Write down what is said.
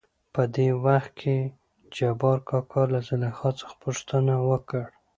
.په دې وخت کې جبارکاکا له زليخا څخه پوښتنه وکړ.